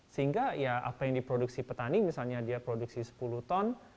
sehingga ya apa yang diproduksi petani misalnya dia produksi sepuluh ton